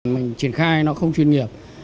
mình triển khai nó không chuyên nghiệp